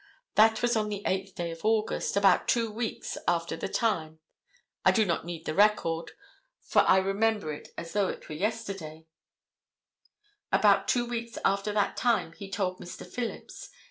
That was on the 8th day of August. About two weeks after the time—I do not need the record, for I remember it as though it was yesterday—about two weeks after that time he told Mr. Phillips.